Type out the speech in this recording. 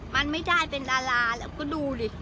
มันไม่ได้เป็นดาราแล้วก็ดูดิ